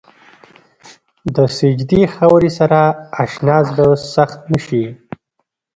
د سجدې خاورې سره اشنا زړه سخت نه شي.